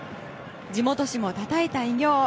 地元紙もたたえた偉業。